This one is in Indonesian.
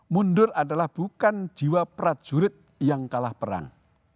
mundur adalah bukan jiwa prajurit yang kalah perang